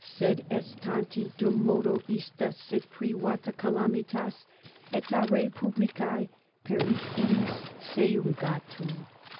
Sed est tanti, dummodo ista sit privata calamitas et a rei publicae periculis seiungatur.